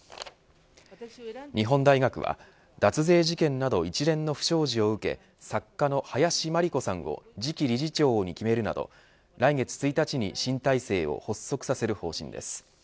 日本大学は脱税事件など一連の不祥事を受け作家の林真理子さんを次期理事長に決めるなど来月１日に新体制を発足させる方針です。